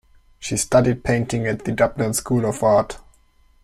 She studied painting at the Dublin School of Art.